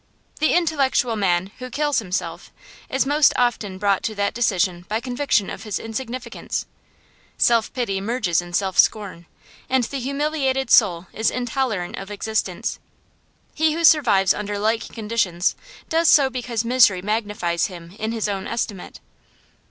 The intellectual man who kills himself is most often brought to that decision by conviction of his insignificance; self pity merges in self scorn, and the humiliated soul is intolerant of existence. He who survives under like conditions does so because misery magnifies him in his own estimate.